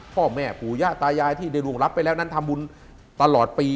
พ่อแม่ปู่ย่าตายายที่ได้ร่วงรับไปแล้วนั้นทำบุญตลอดปี